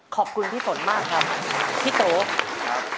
ขอบคุณพี่ฝนมากครับพี่โต๊ครับ